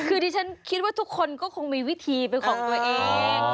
คือดิฉันคิดว่าทุกคนก็คงมีวิธีเป็นของตัวเอง